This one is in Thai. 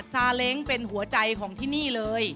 ซาเล้งเป็นหัวใจของที่นี่เลย